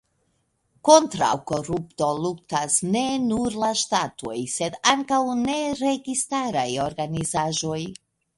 Kontraŭ korupto luktas ne nur la ŝtatoj, sed ankaŭ neregistaraj organizaĵoj.